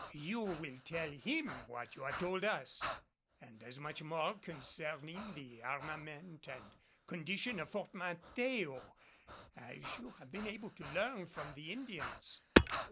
You will tell him what you have told us, and as much more concerning the armament and condition of Fort Mateo as you have been able to learn from the Indians.